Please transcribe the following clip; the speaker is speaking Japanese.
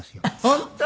本当？